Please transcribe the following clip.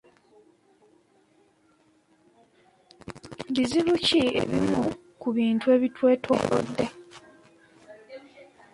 Bizibu ki ebimu ku bintu ebitwetoolodde?